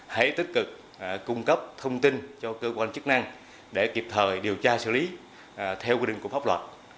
hãy tích cực cung cấp thông tin cho cơ quan chức năng để kịp thời điều tra xử lý theo quy định của pháp luật